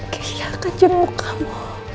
kehia akan jemput kamu